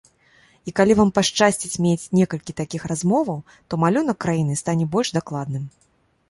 І калі вам пашчасціць мець некалькі такіх размоваў, то малюнак краіны стане больш дакладным.